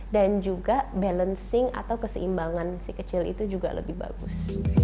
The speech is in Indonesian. dan juga balancing atau keseimbangan si kecil itu juga lebih bagus